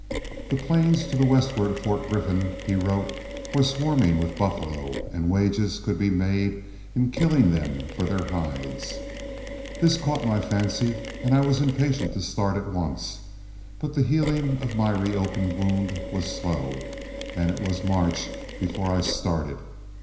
The plains to the westward of Fort Griffin, he wrote, were swarming with buffalo, and wages could be made in killing them for their hides. This caught my fancy and I was impatient to start at once; but the healing of my reopened wound was slow, and it was March before I started.